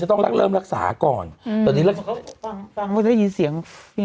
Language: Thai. จะต้องเริ่มรักษาก่อนอืมตอนนี้ฟังฟังว่าจะได้ยินเสียงนี่